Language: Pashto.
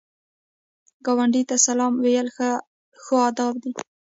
ګاونډي ته سلام ویل ښو ادب دی